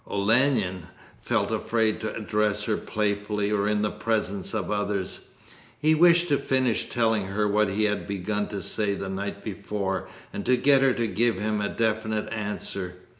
Olenin felt afraid to address her playfully or in the presence of others. He wished to finish telling her what he had begun to say the night before, and to get her to give him a definite answer.